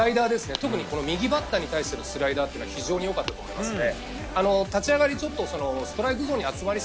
特に右バッターに対するスライダーが非常に良かったと思いますね。